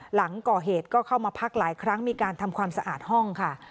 หลังก่อเหตุก็เข้ามาพักหลายครั้งมีการทำความสะอาดห้องค่ะ